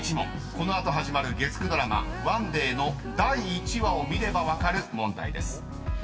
この後始まる月９ドラマ『ＯＮＥＤＡＹ』の第１話を見れば分かる問題です］